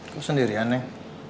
kok sendirian neng